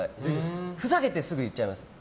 ふざけてすぐ言っちゃいますね。